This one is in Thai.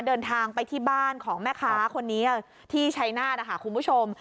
เดินทางไปที่บ้านของแม่ค้าคนนี้ที่ชัยนาธนะคะคุณผู้ชม